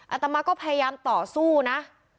อาตมาก็พยายามต่อสู้นะ